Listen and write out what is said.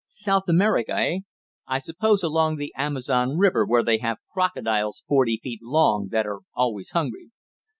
South America, eh? I suppose along the Amazon river, where they have crocodiles forty feet long, that are always hungry."